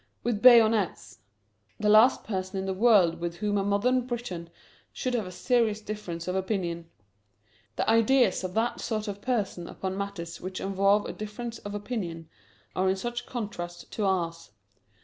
with bayonets. The last person in the world with whom a modern Briton should have a serious difference of opinion. The ideas of that sort of person upon matters which involve a difference of opinion are in such contrast to ours.